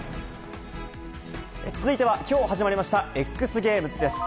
続いては、きょう始まりました、ＸＧａｍｅｓです。